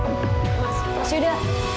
mas mas yuda